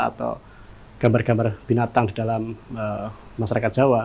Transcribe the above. atau gambar gambar binatang di dalam masyarakat jawa